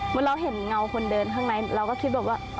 เราเห็นเงาคนเดินข้างในเราก็คิดแบบว่า